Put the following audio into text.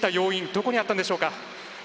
どこにあったんでしょうか？